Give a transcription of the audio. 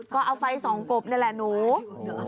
ก็เอาไฟส่องกบนี่แหละหนู